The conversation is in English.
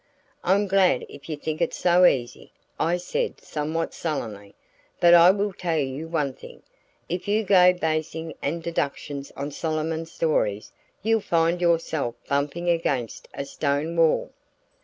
"I'm glad if you think it's so easy," I said somewhat sullenly. "But I will tell you one thing, if you go to basing any deductions on Solomon's stories you'll find yourself bumping against a stone wall."